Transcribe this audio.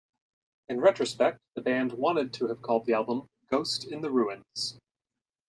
In retrospect, the band wanted to have called the album "Ghost in the Ruins".